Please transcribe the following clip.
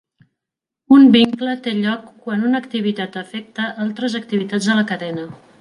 Un vincle té lloc quan una activitat afecta altres activitats a la cadena.